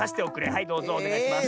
はいどうぞおねがいします。